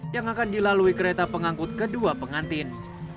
yang akan dilalui kereta pengangkut kedua pengantin